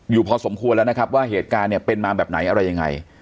พอสมควรแล้วนะครับว่าเหตุการณ์เนี่ยเป็นมาแบบไหนอะไรยังไง